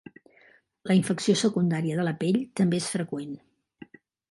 La infecció secundària de la pell també és freqüent.